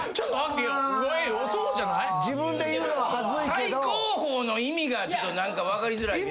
最高峰の意味がちょっと分かりづらいけど。